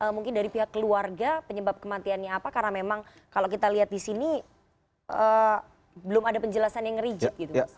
mungkin dari pihak keluarga penyebab kematiannya apa karena memang kalau kita lihat di sini belum ada penjelasan yang rigid gitu mas